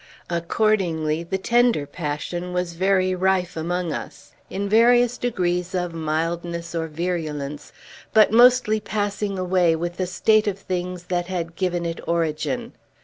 Accordingly the tender passion was very rife among us, in various degrees of mildness or virulence, but mostly passing away with the state of things that had given it origin.